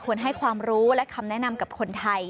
ให้ความรู้และคำแนะนำกับคนไทย